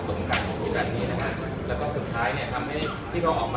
ซึ่งน้องผู้จ่ายกันแล้วคนก่อนข้างพาคน